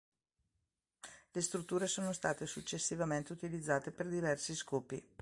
Le strutture sono state successivamente utilizzate per diversi scopi.